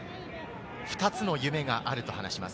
２つの夢があると話します。